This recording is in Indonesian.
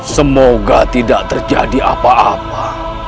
semoga tidak terjadi apa apa